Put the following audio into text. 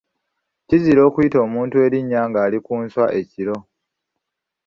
Kizira okuyita omuntu erinnya ng’ali ku nswa ekiro.